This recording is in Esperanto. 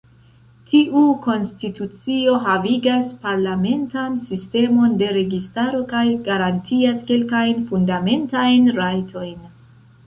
Tiu konstitucio havigas parlamentan sistemon de registaro kaj garantias kelkajn fundamentajn rajtojn.